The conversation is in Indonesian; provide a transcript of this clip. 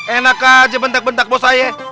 enak aja bentak bentak bos saya